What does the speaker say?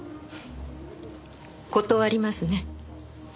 断りますね。